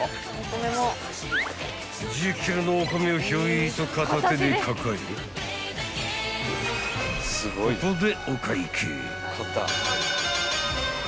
［１０ｋｇのお米をヒョイと片手に抱えここで］